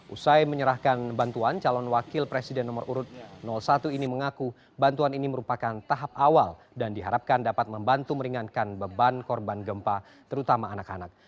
usai menyerahkan bantuan calon wakil presiden nomor urut satu ini mengaku bantuan ini merupakan tahap awal dan diharapkan dapat membantu meringankan beban korban gempa terutama anak anak